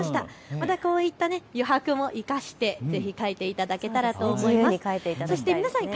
またこういった余白も生かしてぜひ描いていただけたらと思います。